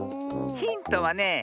ヒントはね